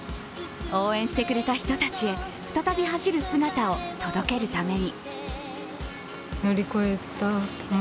応援してくれた人たちへ再び走る姿を届けるために。